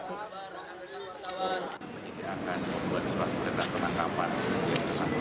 disi hubungan internasional